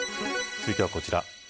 続いてはこちら。